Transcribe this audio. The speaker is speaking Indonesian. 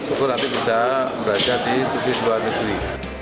untuk nanti bisa belajar di studi luar negeri